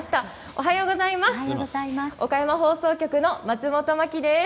おはようございます。